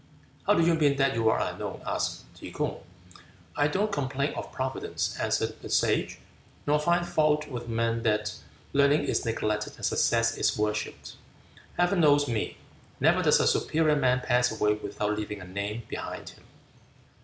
"How do you mean that you are unknown?" asked Tsze kung. "I don't complain of Providence," answered the Sage, "nor find fault with men that learning is neglected and success is worshipped. Heaven knows me. Never does a superior man pass away without leaving a name behind him.